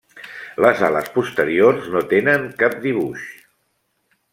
Les ales posteriors no tenen cap dibuix.